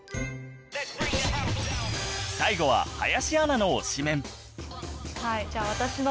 最後は林アナの推しメン